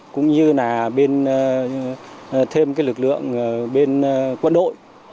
cũng như là thêm lực lượng bên quân đội